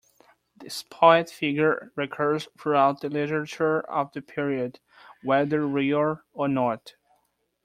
This poet figure recurs throughout the literature of the period, whether real or not.